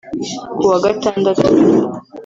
kuwa Gatandatu